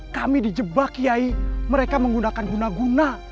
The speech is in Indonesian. kami dijebak kiai mereka menggunakan guna guna